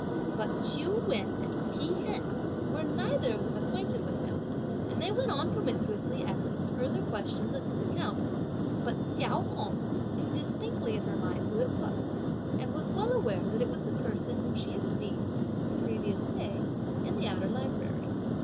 But Ch'iu Wen and Pi Hen were neither of them acquainted with him, and they went on promiscuously asking further questions on his account, but Hsiao Hung knew distinctly in her mind who it was, and was well aware that it was the person whom she had seen, the previous day, in the outer library.